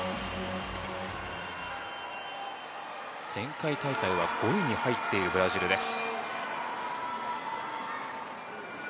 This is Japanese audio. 前回大会は５位に入っているブラジルです。